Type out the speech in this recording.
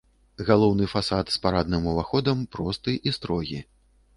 Галоўны фасад з парадным уваходам просты і строгі.